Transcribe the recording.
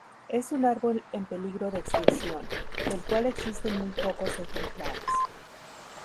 Es un árbol en peligro de extinción, del cual existen muy pocos ejemplares.